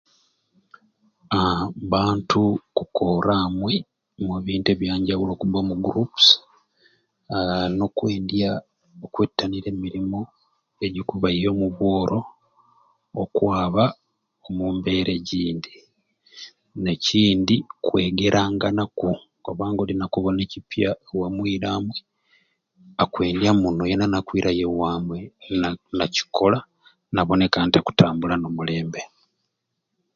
Aa bantu okkoora amwe omubintu ebyanjawulo ko kubba mu gurupusi aa n'okwendya okwetangira e mirimu egikubaia omu bwooro okwaba ku mbeera egindi. N'ekindi kwegeranganaku kubanga odi nakubona ekipya oku mwiraamwe akwendya muno yeena nakwirayo e wamwe na nakikola naboneka nga akutambula n'omulembe.